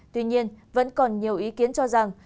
tuy nhiên vẫn còn nhiều ý kiến cho rằng